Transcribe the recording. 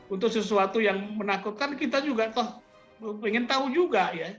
untuk sesuatu yang menakutkan kita juga toh ingin tahu juga ya